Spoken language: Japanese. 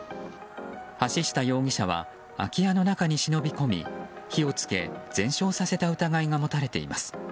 橋下容疑者は空き家の中に忍び込み火を付け、全焼させた疑いが持たれています。